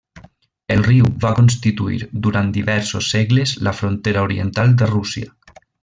El riu va constituir durant diversos segles la frontera oriental de Rússia.